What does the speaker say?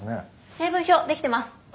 成分表出来てます。